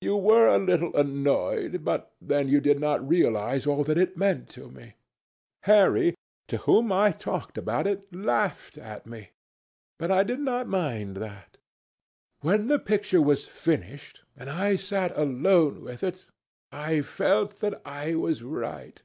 You were a little annoyed; but then you did not realize all that it meant to me. Harry, to whom I talked about it, laughed at me. But I did not mind that. When the picture was finished, and I sat alone with it, I felt that I was right....